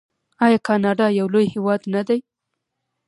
آیا کاناډا یو لوی هیواد نه دی؟